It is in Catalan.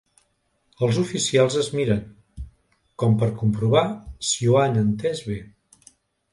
Els oficials es miren, com per comprovar si ho han entès bé.